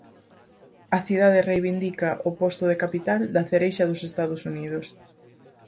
A cidade reivindica o posto de capital da cereixa dos Estados Unidos.